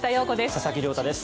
佐々木亮太です。